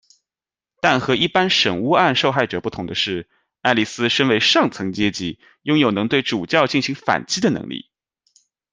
但和一般审巫案受害者不同的是，爱丽丝身为上层阶级，拥有能对主教进行反击的能力。